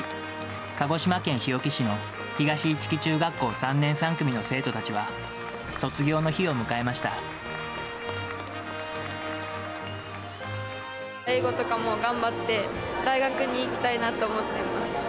鹿児島県日置市の東市来中学校３年３組の生徒たちは、卒業の日を英語とかも頑張って、大学に行きたいなと思ってます。